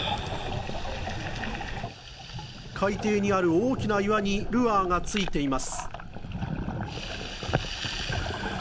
海底にある大きな岩にルアーがついています。